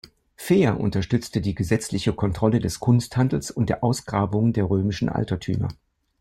Fea unterstützte die gesetzliche Kontrolle des Kunsthandels und der Ausgrabungen der römischen Altertümer.